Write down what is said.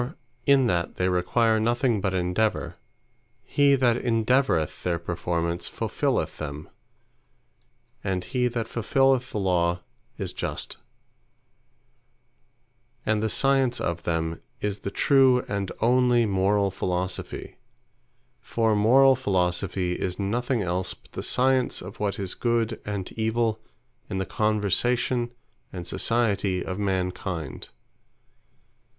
For in that they require nothing but endeavour; he that endeavoureth their performance, fulfilleth them; and he that fulfilleth the Law, is Just. The Science Of These Lawes, Is The True Morall Philosophy And the Science of them, is the true and onely Moral Philosophy. For Morall Philosophy is nothing else but the Science of what is Good, and Evill, in the conversation, and Society of mankind.